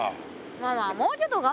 まあまあもうちょっと頑張ってよ。